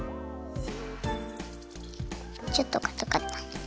ちょっとかたかった。